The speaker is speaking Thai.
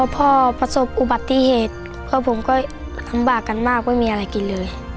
พอประสบอุบัติเหตุเพราะผมก็ลำบากกันมากไม่มีอะไรกินเลย